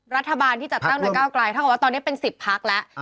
รัฐบาลที่จัดตั้งหน่วยเก้ากลายถ้าว่าตอนนี้เป็น๑๐พักแล้ว